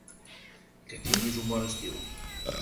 Que tinguis un bon estiu.